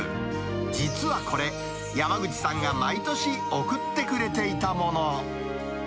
実はこれ、山口さんが毎年贈ってくれていたもの。